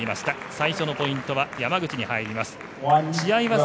最初のポイントは山口に入ります。